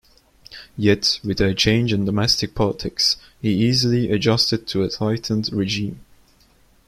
Yet, with a change in domestic politics, he easily adjusted to a tightened regime.